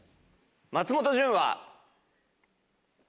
松本潤は。